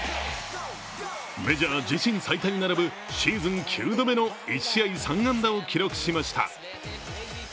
メジャー自身最多に並ぶシーズン９度目の１試合３安打を記録しました。